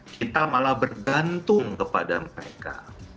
kita malah bergantung kepada mereka